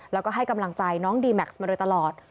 แล้วก็ให้กำลังใจน้องดีแม็กซ์มาโดยตลอด